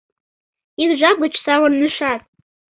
Ик жап гыч савырнышат.